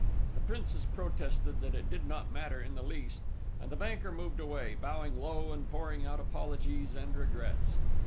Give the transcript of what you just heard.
The Princess protested that it did not matter in the least, and the banker moved away, bowing low and pouring out apologies and regrets.